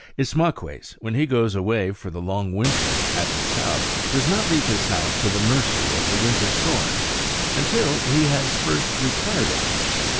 Ismaques, when he goes away for the long winter at the South, does not leave his house to the mercy of the winter storms until he has first repaired it.